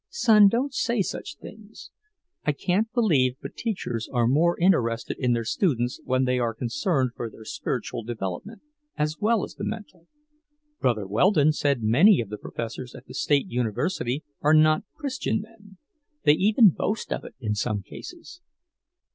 "Son, don't say such things. I can't believe but teachers are more interested in their students when they are concerned for their spiritual development, as well as the mental. Brother Weldon said many of the professors at the State University are not Christian men; they even boast of it, in some cases."